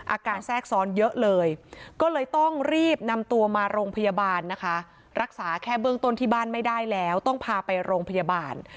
แทรกซ้อนเยอะเลยก็เลยต้องรีบนำตัวมาโรงพยาบาลนะคะรักษาแค่เบื้องต้นที่บ้านไม่ได้แล้วต้องพาไปโรงพยาบาล